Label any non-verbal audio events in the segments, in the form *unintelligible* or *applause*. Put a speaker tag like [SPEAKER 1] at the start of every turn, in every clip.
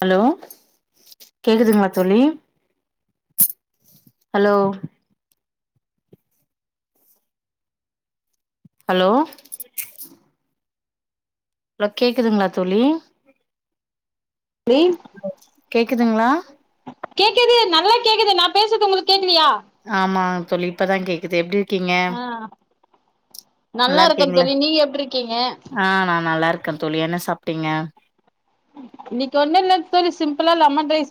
[SPEAKER 1] Hello கேக்குதுங்லா தோழி hello hello hello கேக்குதுங்ளா தோழி
[SPEAKER 2] ழி
[SPEAKER 1] கேக்குதுங்ளா
[SPEAKER 2] கேக்குது நல்லா கேக்குது நா பேசறது உங்களுக்கு கேக்
[SPEAKER 1] ஆமாம் தோழி இப்பதா கேக்குது எப்டி இருக்கீங்க
[SPEAKER 2] ஆ நல்லா இருக்கன் தோழி நீங்க எப்டி இருக்கீங்க
[SPEAKER 1] க்கன் தோழி என்ன சாப்ட்டீங்க
[SPEAKER 2] இன்னைக்கு ஒண்ணு இல்ல தோழி சிம்பிளா லெமன் ரைஸ்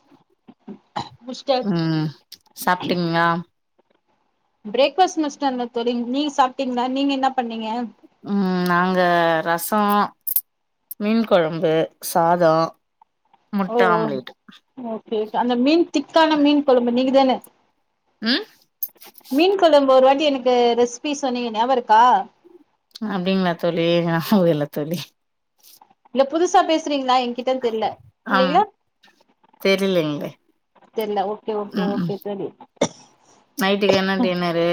[SPEAKER 2] முடிச்சிட்டே
[SPEAKER 1] ம் சாப்பிட்டீங்ளா
[SPEAKER 2] பிரேக்ஃபாஸ்ட் மஸ்டந்த தோழி நீங்க சாப்ட்டீங்ளா நீங்கென்னா பண்ணீங்க
[SPEAKER 1] ம் நாங்க ரசோ மீன் கொழம்பு சாதோ முட்ட ஆம்லேட்
[SPEAKER 2] கே அந்த மீன் திக்கான மீன் கொழம்பு நீங்க தான
[SPEAKER 1] ம்
[SPEAKER 2] மீன் கொழம்பு ஒரு வாட் டி எனக்கு ரெசிபி சொன்னீங்க நியாபகோ இருக்கா
[SPEAKER 1] அப்டிங்ளா தோழி நியாவகோ இல்ல தோழி
[SPEAKER 2] இல்ல புதுசா பேசுறீங் லா என்கிட்டன் தெர்ல
[SPEAKER 1] ஆம்
[SPEAKER 2] இல்லைங்ளா
[SPEAKER 1] தெரிலங்களே
[SPEAKER 2] தெர்ல ஓகே ஓகே
[SPEAKER 1] ம் ம்
[SPEAKER 2] ஓகே தோழி
[SPEAKER 1] நைட்டுக்கு என்ன டின்னரு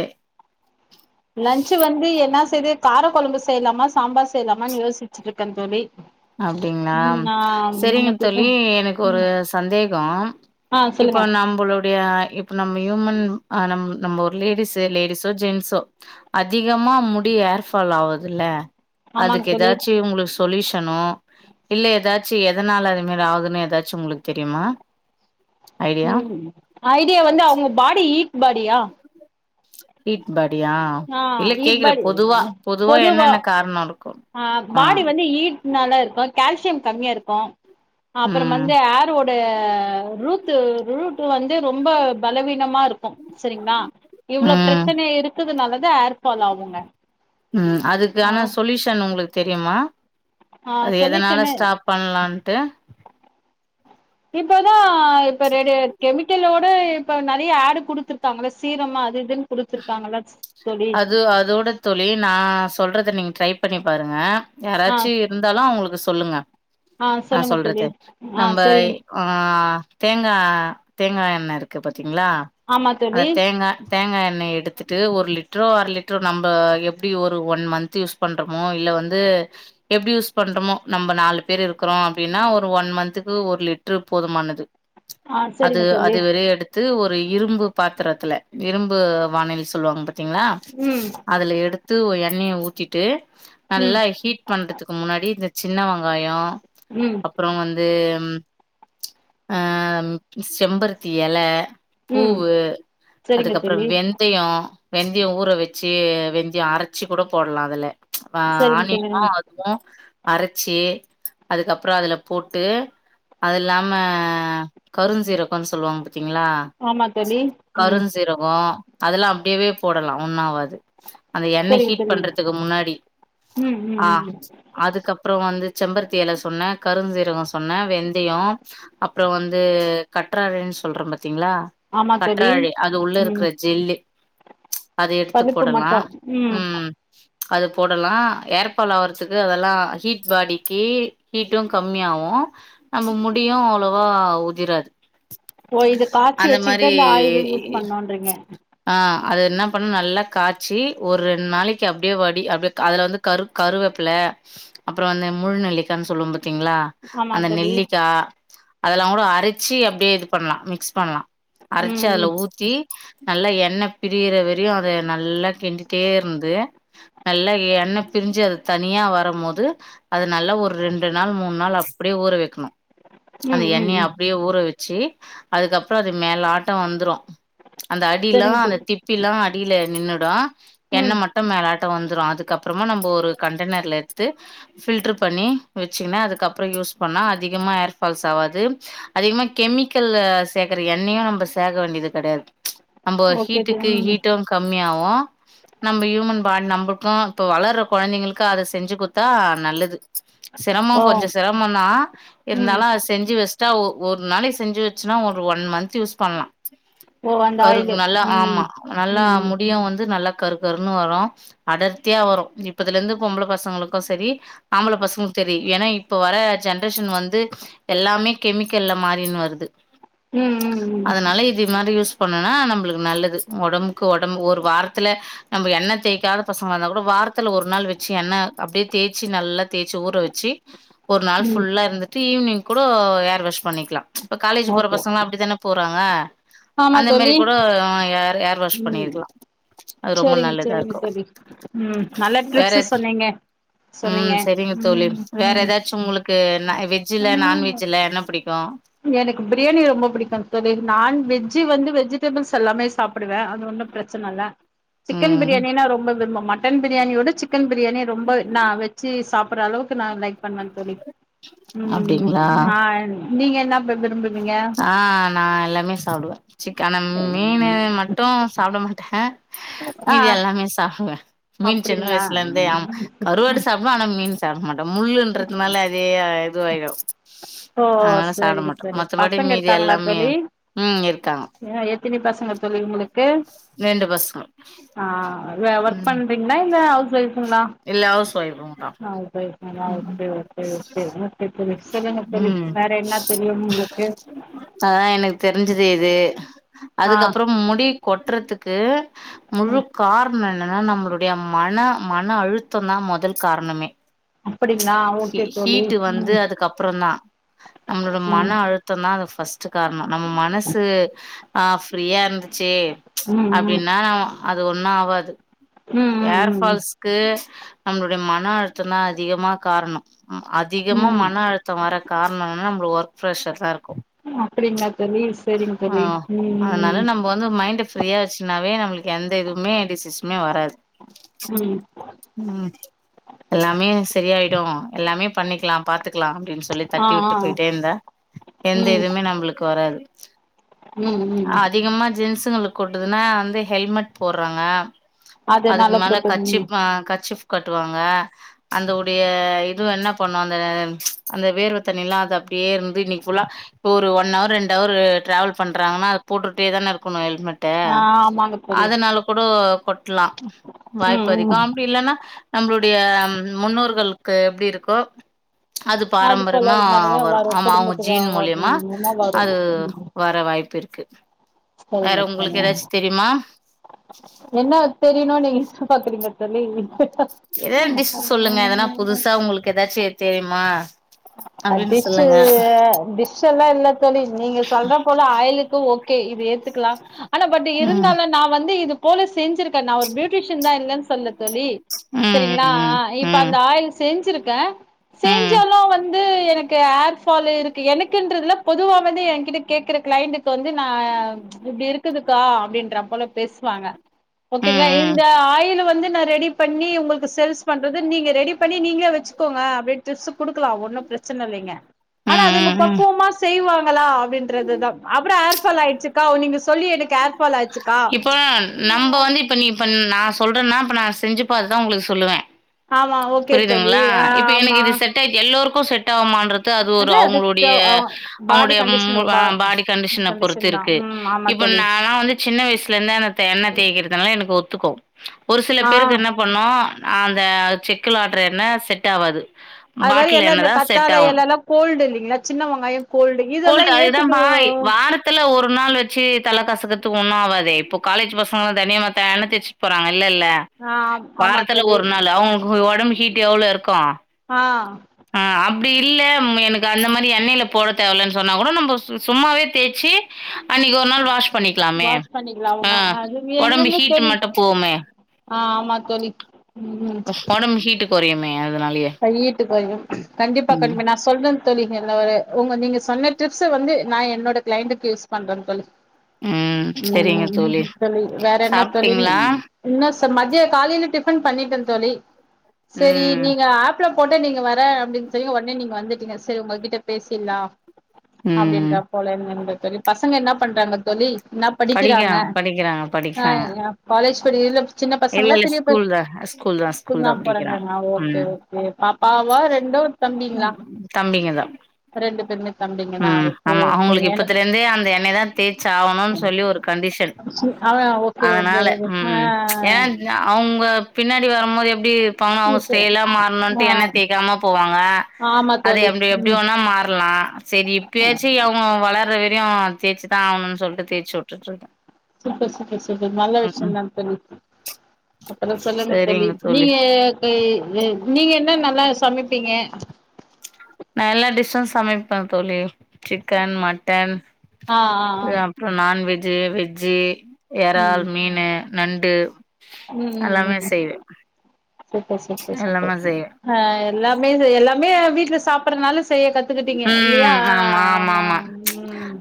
[SPEAKER 2] லன்ச்சு வந்து என்னா செய்தெ காரக்கொழம்பு செய்லாமா சாம்பார் செய்லாமான் யோசிச்சுட்டிருக்கன் தோழி
[SPEAKER 1] அப்டிங்களா
[SPEAKER 2] ம் நா
[SPEAKER 1] சரிங்க
[SPEAKER 2] முன்னக்கூட்ட
[SPEAKER 1] தோழி எனக்கு ஒரு
[SPEAKER 2] ம்
[SPEAKER 1] சந்தேகம்
[SPEAKER 2] ஆ
[SPEAKER 1] இப்ப
[SPEAKER 2] சொல்லுங்க
[SPEAKER 1] நம்மளுடைய இப்ப நம் ஹியூமன் நம்ம ஒரு லேடிஸ் லேடிஸோ ஜென்ஸோ அதிகமா முடி ஏர்ஃபால் ஆவுதுல்ல
[SPEAKER 2] ஆமாங்க
[SPEAKER 1] அதுக்கு
[SPEAKER 2] தோழி
[SPEAKER 1] ஏதாச்சு உங்களுக்கு சொல்லிஸ் தணு இல்ல ஏதாச்சு எதனால அதுமாரி ஆகுதுன்னு ஏதாச்சு உங்களுக்கு தெரியுமா ஐடியா
[SPEAKER 2] ம் ஐடியா வந்து அவங்க பாடி ஹீட் பாடியா
[SPEAKER 1] ஹீட் பா
[SPEAKER 2] ஆஹ் ஹீட் பாடி பொதுவா
[SPEAKER 1] என்னென்ன காரணோ இருக்கு
[SPEAKER 2] ஆஹ்
[SPEAKER 1] ஆ
[SPEAKER 2] பாடி வந்து ஹிட் நல்லா இருக்கு கால்சி சியம் கம்மியா இருக்கு அப்புறம்
[SPEAKER 1] ம்
[SPEAKER 2] வந்து ஹேர் ஓட ரூத் டு ரூட் வந்து ரொம்ப பலவீனமா இருக் இரு சரிங்களா இவ்ளோ
[SPEAKER 1] ம்
[SPEAKER 2] பிரச்சனை இருக் நல்லது ஹேர் ஃபால் ஆகுங்க
[SPEAKER 1] உம்
[SPEAKER 2] ஆ
[SPEAKER 1] அதுக்கான சொல்யூஷன் உங்களுக்கு தெரியுமா
[SPEAKER 2] ஆ
[SPEAKER 1] அது எதனால
[SPEAKER 2] சொல்யூஷனு
[SPEAKER 1] ஸ்டாப் பண்ணலான்ட்டு
[SPEAKER 2] இப்பதா இப்ப ரெ கெமிக்கல் ஓட டு இப்ப நெறைய ஆட் கொடுத்திருக்காங்கள சீரமு அது இதுன்னு குடுத்துருக்காங்கள தோழி
[SPEAKER 1] அது அதோட தோழி நா சொல்றது த நீங்க ட்ரை பண்ணி பாருங்க
[SPEAKER 2] ஆ
[SPEAKER 1] யாராச்சு இருந்தாலு அவங்களுக்கு சொல்லுங்க
[SPEAKER 2] ஆ
[SPEAKER 1] நா
[SPEAKER 2] சொல்லுங்க தோழி
[SPEAKER 1] சொல்றது
[SPEAKER 2] ஆ
[SPEAKER 1] நம்ம
[SPEAKER 2] சரிங்க
[SPEAKER 1] ஆஹ் தேங்கா தேங்கா எண்ண இருக் கு பாத்தீங்களா
[SPEAKER 2] ஆமா
[SPEAKER 1] அந்த
[SPEAKER 2] தோழி
[SPEAKER 1] தேங்கா தேங்கா எண் ணய எடுத்துட்டு ஒரு லிட்ரோ அரை லிட்ரோ நம்ம எப்டி ஒரு ஒன் மந்த்த் யூஸ் பண்றோமோ இல்ல வந்து எப்டி யூஸ் பண்றோமோ நம்ம நாலு பேர் இருக்கிறோ அப்டின்னா ஒரு ஒன் மன்த்க்கு ஒரு லிட்ரு போதுமானது
[SPEAKER 2] ஆ
[SPEAKER 1] அது
[SPEAKER 2] சரிங்க தோழி
[SPEAKER 1] அது வெளிய எடுத்து இது ஒரு இரும்பு பாத்தித்ரதில இரும்பு வானொலி சொல்லுவாங்க பாத்தீங்ளா
[SPEAKER 2] ம்
[SPEAKER 1] அதுல எடுத்து எண்ணய ஊத்திட்டு
[SPEAKER 2] ம்
[SPEAKER 1] நல்லா ஹீட் பண்றதுக்கு முன்னாடி இந்த சின்ன வெங்காயோ
[SPEAKER 2] ம்
[SPEAKER 1] அப்பறம் வந்து ஆ செம்பருத்தி எல
[SPEAKER 2] ம்
[SPEAKER 1] பூவு
[SPEAKER 2] சரிங்க
[SPEAKER 1] அதுக்கப்பற
[SPEAKER 2] தோழி
[SPEAKER 1] வெந் அ வெந்தய ஊற வெச்சு வெந்தயம் அரச்சு கூட போடலா அதுல ஆ
[SPEAKER 2] சரிங்க தோழி
[SPEAKER 1] ஆனியனு அதுவு அரச்சு அதுக்கப்பற அதுல போட்டு அது இல்லாம கருஞ் சீரகம்னு சொல்லுவாங்க பா திங்களா
[SPEAKER 2] ஆமா தோழி ம்
[SPEAKER 1] கருஞ் சீரகம் அதெல்லா அப்டியேவே போடலா ஒண்ணு ஆவது அந்த எண்ணெ
[SPEAKER 2] சரிங்க
[SPEAKER 1] ஹீட்
[SPEAKER 2] தோழி
[SPEAKER 1] பண்றதுக்கு முன்னாடி
[SPEAKER 2] ம் ம்
[SPEAKER 1] ஆ
[SPEAKER 2] ம்
[SPEAKER 1] அதுக்கப்பறம் வந்து செம்பருத்தி எல சொன்ன கருஞ் சீரக சொன்ன வெந்தயம் அப்பறம் ச வந்து கற்றாழனு சொல்ற பாத் திங்ளா
[SPEAKER 2] ஆமா தோழி
[SPEAKER 1] கற்றாழை அது உள்ள
[SPEAKER 2] ம்
[SPEAKER 1] இருக்குற ஜெல்லு அது எடுத்து
[SPEAKER 2] பருப்பு
[SPEAKER 1] போடலா
[SPEAKER 2] மட்டு
[SPEAKER 1] ம் அது போடலா ஏற்பால் ஆவற்துக்கு அதெல்லா ஹீட் பாடிக்கி ஹீட்டும் கம்மியாவு நம்ம முடியு அவ்ளவா உதிராது
[SPEAKER 2] ஓ இது காச்சி
[SPEAKER 1] அந்த
[SPEAKER 2] வெச்சிக்கிட்டா இந்த ஆயில யூஸ்
[SPEAKER 1] மாரி
[SPEAKER 2] பண்ணுன்றீங்க
[SPEAKER 1] ஆ அது இன்னா பண்ணு நல்லா காச்சி ஒரு ரெண் நாளைக்கு அப்டியே வடி அப்டியே அதுல வந்து கரு கருவேப்பில அப்பறோ வந்து முழுநெல்லிக்கானு சொல்வோம் பாத் திங்ளா
[SPEAKER 2] ஆமா
[SPEAKER 1] அந்த
[SPEAKER 2] தோழி
[SPEAKER 1] நெல்லிக்கா அதெல்லா கூட அரச்சி அப்டியே இது பண்லா மிக்ஸ் பண்லா
[SPEAKER 2] ம்
[SPEAKER 1] அரச்சி அதுல
[SPEAKER 2] ம்
[SPEAKER 1] ஊத்தி நல்லா எண்ண பிரியிற வரையு அத நல்லா கிண்டிட்டே இருந்து நல்லா எண்ண பிரிஞ்சு அது தனியா வரம்மோது அது நல்லா ஒரு ரெண்டு நாள் மூன்னு நாள் அப்டியே ஊற வெக்கணு அந்த
[SPEAKER 2] ம் ம்
[SPEAKER 1] எண்ணெய
[SPEAKER 2] ம்
[SPEAKER 1] அப்டியே ஊற வெச்சி அதுக்கப்ற அது மேலாட்டம் வந்துரும் அந்த அடிலா
[SPEAKER 2] சரிங்க
[SPEAKER 1] அந்த
[SPEAKER 2] தம்பி
[SPEAKER 1] திப்பிலா அடில நின்னுடு எண்ண
[SPEAKER 2] ம்
[SPEAKER 1] மட்டும் மேலா ட்டம் வந்துரும் அதுக்கப்றமா நம்ப ஒரு கண்டெனர்ல எடுத்து ஃப்ல்டர் பண்ணி வச்சுகுனு அதுக்கப்பறம் யூஸ் பண்ணா அதிகமா ஏர்பால்ஸ் ஆவாது அதிகமா கெமிக்கல்ல சேக்கற எண்ணெயு நம்ம சேக்க வேண்டிது கெடையாது நம்ப
[SPEAKER 2] ஓகே
[SPEAKER 1] ஹீட்டுக்கு
[SPEAKER 2] தம்பி ம்
[SPEAKER 1] ஹீட்டும் கம்மியாவு நம்ப ஹியூமன் பாட் நம்புல்க்கு இப்ப வளர்ற கொழந்தைகளுக்கு அத செஞ்சு குட்தா நல்லது சிரம
[SPEAKER 2] ஓ
[SPEAKER 1] கொஞ்ச சிரம தா
[SPEAKER 2] ம்
[SPEAKER 1] இருந்தாலு அது செஞ்சு வெஸ்ட்டா ஒ ஒரு நாளை செஞ்சு வச்சுன்னா ஒரு ஒன் மந்த் யூஸ் பண்லா
[SPEAKER 2] ஓ அந்த
[SPEAKER 1] கருக்
[SPEAKER 2] ஆயிலு
[SPEAKER 1] நல்லா
[SPEAKER 2] ம்
[SPEAKER 1] ஆமா நல்லா
[SPEAKER 2] ம் ம்
[SPEAKER 1] முடியும் வந்து நல்லா கருக்கருன்னு வரும் அடர்த்தியா வரும் இப்பதுல இருந்து பொம்பள பசங்களுக்கு செரி ஆம்பள பசங்களுக்கும் சரி ஏன்னா இப்ப வர ஜென்ரேஷன் வந்து எல்லாமே கெமிக்கல்ல மாறின்னு வருது
[SPEAKER 2] ம் ம்
[SPEAKER 1] அதனால இது மாரி யூஸ் பண்ணுனா நம்புளுக்கு நல்லது ஒடம்புக்கு ஒடம்பு ஒரு வாரத்துல நம்ப எண்ண தேய்காத பசங்களா இந்தா கூட வார்த்துல ஒரு நாள் வச்சு எண்ண அப்டியே தேச்சி நல்லா தேச்சி ஊற வெச்சி ஒரு நாள்
[SPEAKER 2] ம் ம்
[SPEAKER 1] ஃபுல்லா இருந்துட்டு ஈவினிங் கூட ஏர் வாஷ் பண்ணிக்கலா இப்ப காலேஜ் போற
[SPEAKER 2] ஓகே
[SPEAKER 1] பசங்க எல்லா அப்டிதானே போறாங்க
[SPEAKER 2] ஆமா
[SPEAKER 1] இந்த மாரி
[SPEAKER 2] தோழி
[SPEAKER 1] கூட ஏர் வாஷ்
[SPEAKER 2] ம்
[SPEAKER 1] பண்ணிருக்கலா அது ரொம்ப
[SPEAKER 2] சரிங்க
[SPEAKER 1] நல்லதா
[SPEAKER 2] சரிங்க
[SPEAKER 1] இருக்கு
[SPEAKER 2] தோழி ம் நல்ல
[SPEAKER 1] வேற
[SPEAKER 2] டிப்ஸு சொன்னீங்க
[SPEAKER 1] உம்
[SPEAKER 2] சொன்னீங்க
[SPEAKER 1] செரிங்க தோழி
[SPEAKER 2] ம்
[SPEAKER 1] வேற ஏதாச்சு உங்களுக்கு வெஜ்ல்ல
[SPEAKER 2] ம்
[SPEAKER 1] நான்வெஜ்ல்ல என்ன பிடிக்கு
[SPEAKER 2] எனக்கு பிரியாணி ரொம்ப பிடிக்கு தோழி நான் வெஜ்ஜு வந்து வெஜ்ஜு ஸ்டேபிள்ஸ் எல்லாமே சாப்புடுவே அது ஒன்னு பிரச்சன இல்ல சிக்கன்
[SPEAKER 1] ம்
[SPEAKER 2] பிரியாணின்னா ரொம்ப விரும்போ மட்டன் பிரியாணியோட சிக்கன் பிரியாணி ரொம்ப நா வெச்சு சாப்டு ஓர் அளவுக்கு நா லைக் பண்ணுவே தோழி உம்
[SPEAKER 1] அப்டிங்களா
[SPEAKER 2] ம் ஆ நீங்க என்னே *unintelligible*
[SPEAKER 1] ஆ நா எல்லாமே சாப்புடுவே சிக்கனு மீனு மட்டு சாப்பட மாட்டே
[SPEAKER 2] ஆ
[SPEAKER 1] மீதி எல்லாமே சாப்புடுவே மீன் சின்ன
[SPEAKER 2] அப்டிங்களா
[SPEAKER 1] வயசுல இருந்தே ஆமா கருவாடு சாப்புடுவே ஆனா மீன் சாப்பட மாட்டே *unintelligible* னால அதே அதுவாயிரு
[SPEAKER 2] ஓ செரிங் செரிங்
[SPEAKER 1] மத்தபடி மீதி எல்லாமே உம் இருக்காங்க
[SPEAKER 2] அ எத்தினி பசங்க தோழி உங்களுக்கு
[SPEAKER 1] ரெண்டு பசங்க
[SPEAKER 2] ஆ வே ஒர்க்
[SPEAKER 1] ம்
[SPEAKER 2] பண்றீங்களா
[SPEAKER 1] இல்ல ஹவுஸ் ஒய்ஃப்ங்கதா
[SPEAKER 2] *unintelligible* உங்க ஓய்ஃப்ங்களா
[SPEAKER 1] ம்
[SPEAKER 2] ஆ *unintelligible*
[SPEAKER 1] ம் அதா எனக்கு தெரிஞ்சது இது
[SPEAKER 2] ஆ
[SPEAKER 1] அதுக்கப்பறோ முடி கொட் ட்டறதுக்கு முழு
[SPEAKER 2] ம்
[SPEAKER 1] காரண என்னன்னா நம்மளுடைய மன மன அழுத்தம்தா முதல் காரணமே
[SPEAKER 2] அப்டிங்களா ஓகே தோழி
[SPEAKER 1] ஹீட்டு வந்து
[SPEAKER 2] ம்
[SPEAKER 1] அதுக்கப்ரோ தா நம்மளோட மன
[SPEAKER 2] ம்
[SPEAKER 1] அழுத்தம்தா அது ஃபர்ஸ்ட் ச்ச காரணம் நம்ம மனசு ஆஃப் ஃப்ரீயா இருந்துச்சு
[SPEAKER 2] ம் ம்
[SPEAKER 1] அப்படின்னா ந அது ஒன்னு ஆவாது
[SPEAKER 2] ம்
[SPEAKER 1] ஏர்
[SPEAKER 2] ம்
[SPEAKER 1] ஃபால்ஸ் ஆ நம்மளுடைய மன அழுத்தம்தா அதிகமா காரணம்
[SPEAKER 2] ம்
[SPEAKER 1] அதிகமா
[SPEAKER 2] ம்
[SPEAKER 1] மன அழுத்தம் வர காரணம் நம்ம ஒர்க் ப்ரக்ஷர் தா இருக்
[SPEAKER 2] அப்படிங்களா தோழி சரிங்
[SPEAKER 1] ஆ
[SPEAKER 2] தோழி உம்
[SPEAKER 1] அதனால
[SPEAKER 2] ம்
[SPEAKER 1] நம்ம வந்து மைண்ட ஃப்ரீயா வச்சுனாவே நம்மளுக்கு எந்த இதுவுமே டிசிஸமே வராது
[SPEAKER 2] உம்
[SPEAKER 1] உம் எல்லாமே சரியாயிடு எல்லாமே பண்ணிக்கலா பாத்து க்கலா அப்படின்னு சொல்லி
[SPEAKER 2] ஆ ஆ
[SPEAKER 1] தட்டிவுட்டு போயிட்டே இருந்தா எந்த
[SPEAKER 2] ம்
[SPEAKER 1] இதுவுமே நம்மளுக்கு வராது
[SPEAKER 2] ம்
[SPEAKER 1] உ
[SPEAKER 2] ம்
[SPEAKER 1] அதிகமா ஜென்ஸ் களுக்கு கொட்டதுன்னா வந்து ஹெல்மெட் போடுறாங்க
[SPEAKER 2] அத நால போட்டதுங்க
[SPEAKER 1] கர்ச்சிப் கட்டுவாங்க அதோட இதுவும் என்ன பண்ணு அ அந்த வேர்வ தண்ணிலா அத அப்படியே வந்து ஒன் அவர் இரண்டு அவர் டிரவல் பண்றாங்க அப்படினா போட்டு தானே இருக்கணு ஹெல்மட்டே
[SPEAKER 2] ஆ ஆமாங்க தோழி
[SPEAKER 1] அதனால கூட லாம்
[SPEAKER 2] ம்
[SPEAKER 1] வாய்ப்பதி
[SPEAKER 2] ம்
[SPEAKER 1] காமெடி இல்லன்னா நம்மளுடைய முன்னோர்களுக்கு எப்படி இருக்கோ அது
[SPEAKER 2] போல
[SPEAKER 1] பாரம்பரியமா
[SPEAKER 2] இது மாரியே
[SPEAKER 1] வரு ஆமா அவங்க
[SPEAKER 2] குடும்பத்துக்கு
[SPEAKER 1] ஜீன் மூலியமா
[SPEAKER 2] வருமா வரு
[SPEAKER 1] அது
[SPEAKER 2] ம்
[SPEAKER 1] வர வாய்ப்பு இருக்கு வேற
[SPEAKER 2] சரிங்க சரி
[SPEAKER 1] உங்களுக்கு ஏதாச்சு தெரியுமா
[SPEAKER 2] என்ன தெரியணு நீங்க சோன பாத்துறீங்க தோழி
[SPEAKER 1] எதாது டிஷ் சொல்லுங்க எதனா புதுசா உங்களுக்கு எதாச்சி தெரியுமா அப்டின்னு
[SPEAKER 2] டிஷ்ஷு
[SPEAKER 1] சொல்லுங்க
[SPEAKER 2] டிஷ்ஷு எல்லா இல்ல தோழி நீங்க சொல்ற போல ஆயிலுக்கு ஓகே ஏத்துக்கலா ஆனா பட்
[SPEAKER 1] ம்
[SPEAKER 2] இருந்தாலு நா வந்து இது போல செஞ்சிருக்கே நா ஒரு பியூட்டீஷ்யன்தா இல்லன் சொல்ல தோழி
[SPEAKER 1] ம்
[SPEAKER 2] சரிங்ளா
[SPEAKER 1] ம்
[SPEAKER 2] ஆ இப்ப
[SPEAKER 1] ம்
[SPEAKER 2] அந்த ஆயில் செஞ்சிருக் க
[SPEAKER 1] ம்
[SPEAKER 2] செஞ்செல்லா வந் து எனக்கு ஹேர்ஃபால் இருக்கு எனக்குன்றதுல பொதுவா வந்து எங்கிட்ட கேக்குற கிளைண்ட்க்கு வந்து நா இப்டி இருக்குதுகா அப்டின்றா போல பேசுவாங்க ஓகேங்கலா
[SPEAKER 1] ம்
[SPEAKER 2] இந்த ஆயில் வந்து நா ரெடி பண்ணி உங்களுக்கு சேல்ஸ் பண்றது நீங்க ரெடி பண்றது நீங்களே வச்சிகோங்க அப்டின்ட்டுஸ் குடுக்கலா ஒன் ப்ரச்னல்லைங்க ஆனா அதுங்க
[SPEAKER 1] ம் ம்
[SPEAKER 2] பக்குவமா செய்வாங் *unintelligible* அப்படின்றதுதா அப்பறொ ஹேர்ஃபால் ஆயிருச்சுக்கா நீங்க சொல்லி எனக்கு ஹார்
[SPEAKER 1] இப்போ நம்ப வந்து இப்ப நீ இப்ப நா சொல்றேன்னா இப்ப நா ஸ் செஞ்சு பாத்துதா உங்களுக்கு சொல்லுவே
[SPEAKER 2] ஆமா ஓகே தோழி
[SPEAKER 1] புரியுதுங்ளா
[SPEAKER 2] ஆ
[SPEAKER 1] இப்ப எனக்கு
[SPEAKER 2] ஆமா
[SPEAKER 1] இது செட் ஆய்ட் எல்லோருக்கூ போ செட் ஆவுமான்றத் அது ஒரு அவங்களுடைய
[SPEAKER 2] பாடி
[SPEAKER 1] அவங்களுடைய ம்
[SPEAKER 2] கண்டிஷன்
[SPEAKER 1] ஒ வ
[SPEAKER 2] பா
[SPEAKER 1] பாடி கண்டிஷன பொறுத்து
[SPEAKER 2] கண்டிஷன் தா
[SPEAKER 1] இருக்கு
[SPEAKER 2] ம் ஆமா
[SPEAKER 1] இப்ப
[SPEAKER 2] தோழி
[SPEAKER 1] நால்லா வந்து சின்ன வயசுல இருந்து அந்த தே எண்ண தேக்கிறதுனால எனக்கு ஒத்துக்கு ஒரு சில
[SPEAKER 2] ஆ
[SPEAKER 1] பேருக்கு என்ன பண்ணு அந்த செக்குல ஆட்ற எண்ணே செட் ஆவாது
[SPEAKER 2] அது மாரி
[SPEAKER 1] பாட்டில்
[SPEAKER 2] எல்லா இந்த
[SPEAKER 1] எண்ணெதா செட்
[SPEAKER 2] கத்தாழை
[SPEAKER 1] ஆவூ
[SPEAKER 2] எலலா கோல்டு இல்லைங்களா சின்ன வெங்காயோ இதெல்லா
[SPEAKER 1] கோல்டு அதுதா
[SPEAKER 2] ஏத்துக்குறோ
[SPEAKER 1] பாய் வாரத்துல ஒரு நாள் வச்சு தல கசக்க து ஒன்னாவாது இப்போ காலேஜ் பசங்களே தெனியுமே தே எண்ண தேச்சட்டு போறாங்க இல்லல்ல
[SPEAKER 2] ஆ ஆமா
[SPEAKER 1] வாரத்துல
[SPEAKER 2] தோழி
[SPEAKER 1] ஒரு நாள் அவுங் ஒ ஒடம் ஹீட் எவ்வளோ இருக்கு
[SPEAKER 2] ஆ
[SPEAKER 1] அப்டி இல்ல ம எனக்கு அந்த மாரி எண்ணெயில போட தேவலன்னு சொன்னா கூட நம்ப சு சும்மாவே தேய்ச்சு அன்னிக்கி ஒரு நாள் வாஷ் பண்ணிக்லாமே
[SPEAKER 2] வாஷ் பண்ணிக்கலா
[SPEAKER 1] ஆ
[SPEAKER 2] அவங்க அது
[SPEAKER 1] ஒடம்பு
[SPEAKER 2] எங்கங்க
[SPEAKER 1] ஹீட்
[SPEAKER 2] தோழி
[SPEAKER 1] மட்டூ போவுமே
[SPEAKER 2] ஆ ஆமா தோழி ம்
[SPEAKER 1] ஒடம்பு ஹீட்டுக் கொறையும்யாது தனாலயே
[SPEAKER 2] போய்ரும் கண்டிப்பா கண்டிப்பா நா சொல்றே தோழி எல்லா வேலய உங்க நீங்க சொன்ன ட்ரிக்ஸ வந்து நா என்னோட கிளைண்டுக்கு யூஸ் பண்றேங் தோழி
[SPEAKER 1] ம். சரிங்க
[SPEAKER 2] உம் உ தோழி வேற என்ன தோழி
[SPEAKER 1] சாப்பிட்டீங்களா?
[SPEAKER 2] என்ன ச ப மதிய காலையில டிஃபன் பண்ணிட்டே தோழி செரி
[SPEAKER 1] ம்.
[SPEAKER 2] நீ ஆஃப்லா போட்ட நீங்க வர அப்படின்னு சொன்னிங் ஒடனே நீங்க வந்துட்டீங்க சரி உங்க கிட்ட பேசிட்லா
[SPEAKER 1] ம்.
[SPEAKER 2] அப்டின்றா போலே இங்கர்ந்து செரி பசங்க என்ன பண்றாங்க தோழி நா படிக்கிறாங்க
[SPEAKER 1] படிக்கிறான், படிக்கிறாங்க, படிக்கிறாங்க.
[SPEAKER 2] ஆ காலேஜ் புடியலிப்
[SPEAKER 1] இல்ல இல்ல ஸ்கூல்தா ஸ்கூல்தா ஸ்கூல்தா படிக்கிறா ம்
[SPEAKER 2] கே ஓகே பாப்பாவா ரெண்டு தம்பிங்ளா
[SPEAKER 1] தம்பிங்க தான்.
[SPEAKER 2] ரெண்டு பேருமே தம்பிங்க தா
[SPEAKER 1] ம்
[SPEAKER 2] அவருக்கு
[SPEAKER 1] ஆமா அவங்களுக்கு
[SPEAKER 2] எனக்கு
[SPEAKER 1] இப்பத்துல இருந்தே அந்த எண்ணெயதா தேச்சாவணுன் சொல்லி ஒரு கண்டிஷன்
[SPEAKER 2] அவ ஓகே ஓகே
[SPEAKER 1] அதனால
[SPEAKER 2] ஓகே ஆ
[SPEAKER 1] ம் ஏனா அவுங்க பின்னாடி வரும்போது எப்டி பணோ அவங்க
[SPEAKER 2] இப்போ
[SPEAKER 1] ஸ்டைலா
[SPEAKER 2] ஆ
[SPEAKER 1] மாறணுன்ட்டு எண்ண தேய்க்காம போவாங்க
[SPEAKER 2] ஆமா
[SPEAKER 1] அது
[SPEAKER 2] தோழி
[SPEAKER 1] எப்டி எப்டி
[SPEAKER 2] ம்
[SPEAKER 1] வேணா மாறலா சேரி இப்பியாச்சு அவங்க வள ளர்ற வரையு தேய்ச்சுதா ஆவனுனு சொல்ட்டு தேய்ச்சு வுட்டுட்டுருக்கே
[SPEAKER 2] சூப்ப சூப்பர் சூப்பர் நல்ல விஷயந்தா தோழி அப்பறோ சொல்லுங்க தோழி நீங்க க நீங்க என்ன நல் லா சமைப்பீங்க
[SPEAKER 1] நா எல்லா டிஸ்ஸு சமைப்பே தோழி சிக்கன், மட்டன்
[SPEAKER 2] ஆ ஆ ஆ
[SPEAKER 1] அ அப்றோ நான்வெ ஜி, வெஜ்ஜி
[SPEAKER 2] ம்
[SPEAKER 1] எறால், மீனு நண்டு
[SPEAKER 2] ம் ம்
[SPEAKER 1] எல்லாமே
[SPEAKER 2] ம்
[SPEAKER 1] செய்வே
[SPEAKER 2] சூப்பர் சூப்பர் சூப்பர்
[SPEAKER 1] எல்லாமே செய்வே
[SPEAKER 2] அ எல்லா மே இது எல்லாமே வீட்ல சாப்பட்றதுனால செய்ய கத் துக்கிட்டீங்க இல்லீயா ஆமா ம்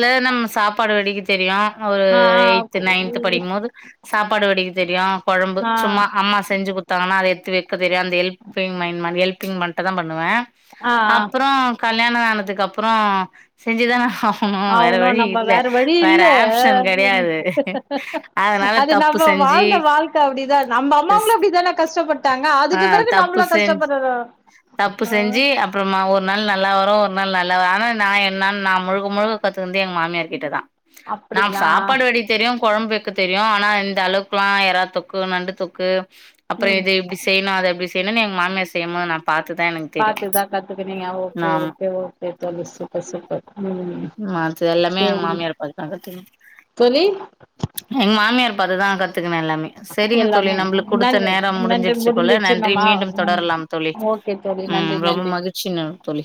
[SPEAKER 1] ல நம்ம சாப்பாடு வடிக்க தெரியு ஒரு
[SPEAKER 2] ஆ ஆ
[SPEAKER 1] எயித் நையன்த் படிக்கும்போது சாப்பாடு வடிக்க தெரியு கொழம்பு
[SPEAKER 2] ஆ
[SPEAKER 1] சும்மா அம்மா செஞ்சு குத்தாங்கன்னா அத எடுத்து வை க்க தெரியு அந்த ஹெல்பிங் மைன் ஹெல்பிங் மட்டுந்த்தா பண்ணுவே
[SPEAKER 2] ஆ ஆ
[SPEAKER 1] றோ கல்யாண ஆனதுக்கு அப்றோ செஞ்சுதான ஆவ
[SPEAKER 2] ஆவனு நம்ப வேற வழி இல்ல,
[SPEAKER 1] ஆப்ஷன் கெடையாது. அதனால
[SPEAKER 2] அது
[SPEAKER 1] தப்பு
[SPEAKER 2] நம்ம
[SPEAKER 1] செஞ்சு
[SPEAKER 2] வாழ்ந்த வாழ்க்க அப்டிதா நம்ம
[SPEAKER 1] ஸ்
[SPEAKER 2] அம்மாங்களு அப்படித்தான கஷ்டப்பட்டாங்க
[SPEAKER 1] ஆ
[SPEAKER 2] அதுக்கு பிறகு
[SPEAKER 1] தப்பு
[SPEAKER 2] நம்பளு
[SPEAKER 1] செஞ்
[SPEAKER 2] கஷ்டப்பட்றோ
[SPEAKER 1] தப்பு
[SPEAKER 2] ஆ
[SPEAKER 1] செஞ்சு அப்புறமா ஒரு நாள் நல்லா வரும் ஒரு நாள் நல்லாவரா ஆனா நா என்னான் நா முழுக்க முழுக்க கத்துக்குனது எங்க மாமியார் கிட்ட தா நாம்
[SPEAKER 2] அப்டிங்களா
[SPEAKER 1] சாப்பாடு வடிக்க தெரியு கொழம்பு தெரியு ஆனா இந்த அளவுக்கெல்லா எறா தொக்கு நண்டு தொக்கு அப்புறோ
[SPEAKER 2] ம்
[SPEAKER 1] இது இப்டி செய்ணு அது அப்டி செய் னுன்னு எங்க மாமியார் செய்ம்போது நா பாத்துதா எனக்கு தெரியு
[SPEAKER 2] பாத்துதா கத்துக்குனீங்க ஓ ஓகே
[SPEAKER 1] ஆமா
[SPEAKER 2] ஓகே ஓகே தோழி சூப்பர் சூப்பர் ம்
[SPEAKER 1] மத்தது எல்லாமே எங்க
[SPEAKER 2] சேரி
[SPEAKER 1] மாமியாரப் பாத்துதாங்க தெரியு
[SPEAKER 2] தோழி
[SPEAKER 1] எங்க மாமியார் பாத்துதா கத் கத்துக்கலா எல்லாமே செரிங்க தோழி
[SPEAKER 2] எல்லாமே
[SPEAKER 1] நம்மளுக்கு குடுத்த
[SPEAKER 2] நன்றி
[SPEAKER 1] நேரம்
[SPEAKER 2] நன்றி
[SPEAKER 1] முடிஞ்சிடுச்சி போல
[SPEAKER 2] முடிஞ்சிச்சு
[SPEAKER 1] நன்றி
[SPEAKER 2] நம்ம
[SPEAKER 1] மீண்டும் தொடரலாம் தோழி
[SPEAKER 2] ஓகே தோழி நன்றி
[SPEAKER 1] உம் ரொம்ப
[SPEAKER 2] நன்றி
[SPEAKER 1] மகிழ்ச்சிங்க தோழி